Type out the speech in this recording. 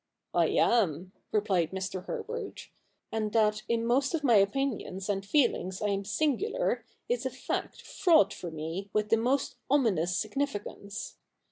' I am,' replied Mr. Herbert ;' and that in most of my opinions and feelings I am singular, is a fact fraught for me with the most ominous significance.